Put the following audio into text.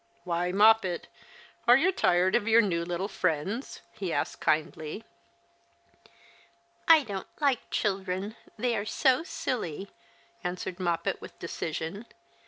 " Why, Moppet, are you tired of your new little friends ?" he asked kindly. " I don't like children. They are so silly," answered Moppet, with decision.